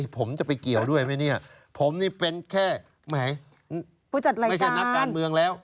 ผมจะไปเกี่ยวด้วยไหมเนี่ยผมนี่เป็นแค่แหมผู้จัดแล้วไม่ใช่นักการเมืองแล้ว